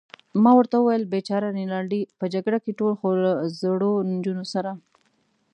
ما ورته وویل: بېچاره رینالډي، په جګړه کې ټول، خو له زړو نجونو سره.